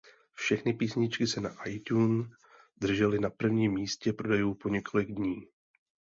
Všechny písničky se na iTunes držely na prvním místě prodejů po několik dní.